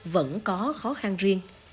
vẫn có khó khăn riêng